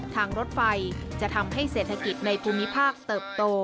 ทางรถไฟจะทำให้เศรษฐกิจในภูมิภาคเติบโต